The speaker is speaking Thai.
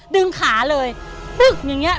ดึงขาเลย